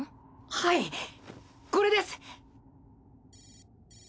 はいこれです。